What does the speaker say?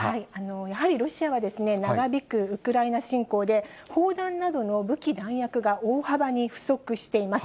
やはりロシアは、長引くウクライナ侵攻で、砲弾などの武器弾薬が大幅に不足しています。